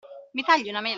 Mi tagli una mela?